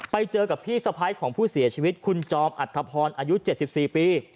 ไปเจอกับพี่สะพ้ายของผู้เสียชีวิตคุณจอมอัธพรอายุ๗๔ปี